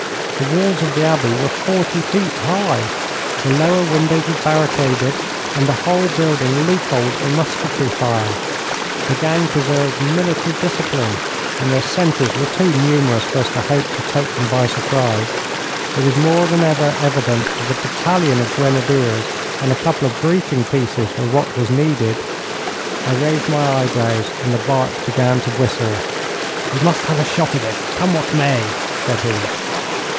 The walls of the Abbey were forty feet high. The lower windows were barricaded, and the whole building loopholed for musketry fire. The gang preserved military discipline, and their sentries were too numerous for us to hope to take them by surprise. It was more than ever evident that a battalion of grenadiers and a couple of breaching pieces were what was needed. I raised my eyebrows, and the Bart began to whistle. 'We must have a shot at it, come what may,' said he.